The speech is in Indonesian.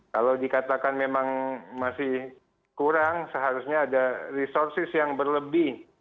kalau dikatakan memang masih kurang seharusnya ada resources yang berlebih